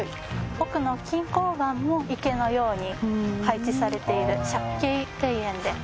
奥の錦江湾も池のように配置されている借景庭園で。